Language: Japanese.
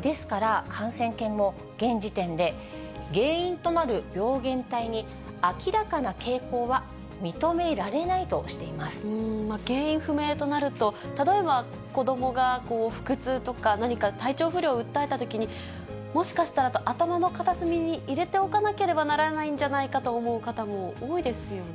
ですから感染研も、現時点で原因となる病原体に明らかな傾向は認められないとしてい原因不明となると、例えば子どもが腹痛とか、何か体調不良を訴えたときに、もしかしたらと、頭の片隅に入れておかなければならないんじゃないかと思う方も多いですよね。